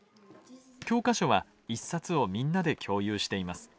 教科書は一冊をみんなで共有しています。